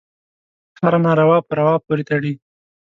هره ناروا په روا پورې تړي.